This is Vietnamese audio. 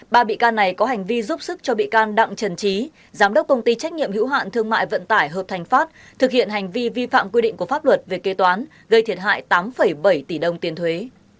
ba bị can này có hành vi giúp sức cho bị can đặng trần trí giám đốc công ty trách nhiệm hữu hạn thương mại vận tải hợp thành pháp thực hiện hành vi vi phạm quy định của pháp luật về kê toán gây thiệt hại tám bảy tỷ đồng tiền thuế